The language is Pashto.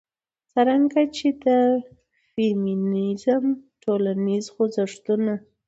څرنګه چې د فيمنيزم ټولنيز خوځښتونه